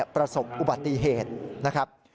ประสบอุบัติเหตุนะครับ